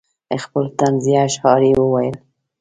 خپل طنزیه اشعار یې وویل.